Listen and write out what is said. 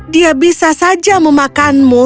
dia bisa saja memakanmu